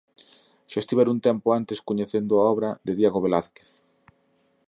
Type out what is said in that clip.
Xa estivera un tempo antes coñecendo a obra de Diego Velázquez.